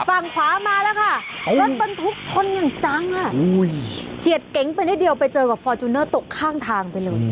ฝั่งขวามาแล้วค่ะรถบรรทุกชนอย่างจังอ่ะเฉียดเก๋งไปนิดเดียวไปเจอกับฟอร์จูเนอร์ตกข้างทางไปเลย